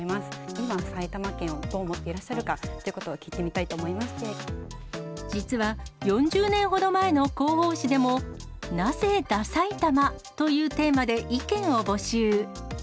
今、埼玉県をどう思っていらっしゃるかということを聞いてみたいと思実は、４０年ほど前の広報紙でも、なぜダさいたまというテーマで意見を募集。